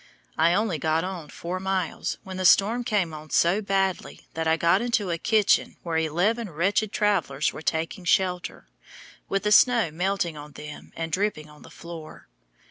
I only got on four miles when the storm came on so badly that I got into a kitchen where eleven wretched travelers were taking shelter, with the snow melting on them and dripping on the floor.